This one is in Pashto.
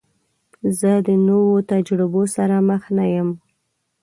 زه د نوو تجربو سره مخ نه یم.